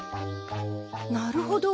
なるほど。